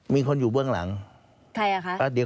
ไม่คุย